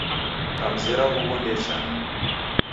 Kamzera huwo ndechaa